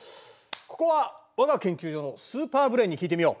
ここは我が研究所のスーパーブレーンに聞いてみよう。